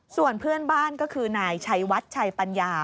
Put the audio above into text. ส่วนเพื่อนบ้านก็คือนายชัยวัดชัยปัญญา